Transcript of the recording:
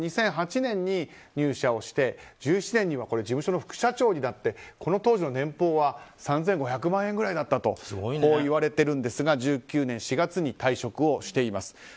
２００８年に入社をして１７年には事務所の副社長になってこの当時の年俸は３５００万円ぐらいだったとこういわれているんですが１９年４月退職をしています。